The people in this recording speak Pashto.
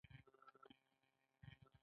د اوښانو کارول په کوچیانو کې دود دی.